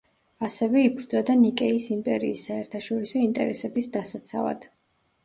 ასევე, იბრძოდა ნიკეის იმპერიის საერთაშორისო ინტერესების დასაცავად.